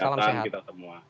tetap jaga kesehatan kita semua